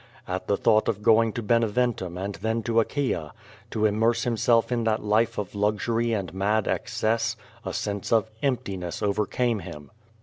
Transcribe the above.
At the thought of going to Heneventum and then to Achaia, to immerse himself in that life of luxury and mad excess, a sense of emptiness overcame him.